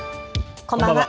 こんばんは。